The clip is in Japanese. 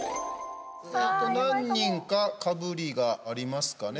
何人か、かぶりがありますかね。